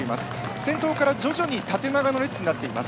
先頭から徐々に縦長の列になっています。